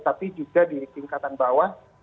tapi juga di tingkatan bawah